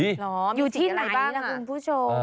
หรออยู่ที่ไหนแหละคุณผู้ชม